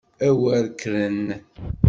A wer kkren!